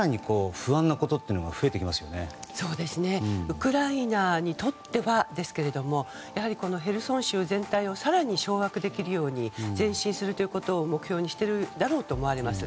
ウクライナにとってはですけどもやはりヘルソン州全体を更に掌握できるように前進するということを目標にしているだろうと思われます。